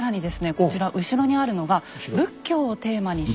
こちら後ろにあるのが仏教をテーマにした。